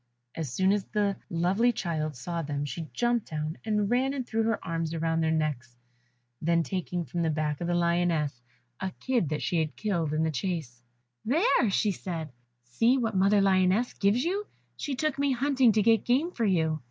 As soon as the lovely child saw them she jumped down, and ran and threw her arms round their necks; then taking from the back of the lioness a kid that she had killed in the chase, "There," said she, "see what mother lioness gives you; she took me hunting to get game for you."